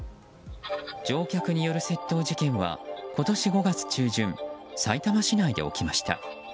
乗客による窃盗事件は今年５月中旬さいたま市内で起きました。